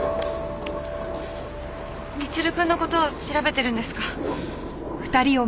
光留くんの事を調べてるんですか？